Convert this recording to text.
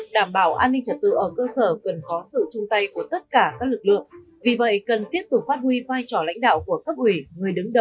đảm bảo an ninh trật tự ở địa phương